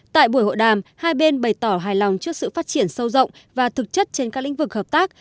tại buổi hội đàm hai bên bày tỏ hài lòng trước sự phát triển sâu rộng và thực chất trên các lĩnh vực hợp tác